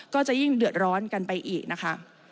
ก็จะยิ่งเดือดร้อนกันไปอีกนะคะ